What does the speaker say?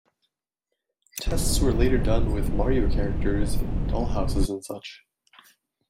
Tests were later done with "Mario" characters in dollhouses and such.